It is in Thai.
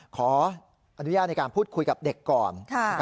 ขออนุญาตในการพูดคุยกับเด็กก่อน